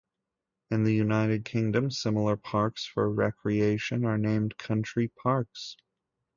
In the United Kingdom, similar parks for recreation are named country parks.